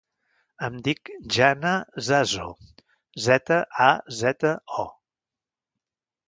Em dic Gianna Zazo: zeta, a, zeta, o.